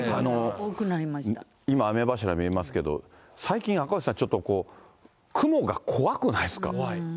今、雨柱見えますけれども、最近、赤星さん、ちょっと雲が怖くないですか。